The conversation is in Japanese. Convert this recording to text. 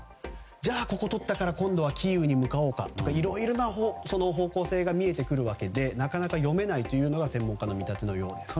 じゃあ、ここをとったからキーウに向かおうかとかいろいろな方向性が見えてくるわけでなかなか読めないというのが専門家の見立てのようです。